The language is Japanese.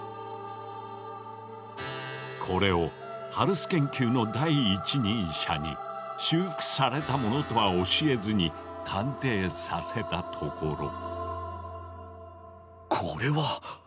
これをハルス研究の第一人者に修復されたものとは教えずに鑑定させたところ。